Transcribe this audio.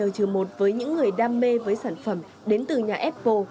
có thể thấy xu hướng n một với những người đam mê với sản phẩm đến từ nhà apple